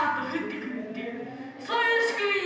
そういう仕組みに。